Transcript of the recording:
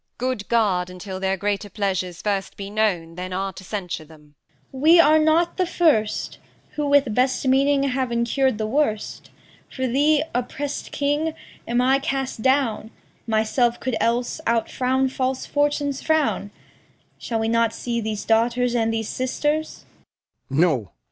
Good guard Until their greater pleasures first be known That are to censure them. Cor. We are not the first Who with best meaning have incurr'd the worst. For thee, oppressed king, am I cast down; Myself could else outfrown false Fortune's frown. Shall we not see these daughters and these sisters?